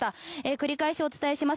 繰り返しお伝えします。